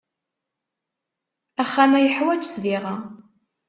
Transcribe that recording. Axxam-a yeḥwaj ssbiɣa.